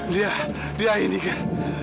dia dia ini kan